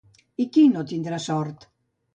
I qui no tindrà sort?